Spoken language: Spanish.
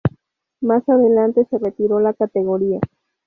Más adelante se retiró la categoría.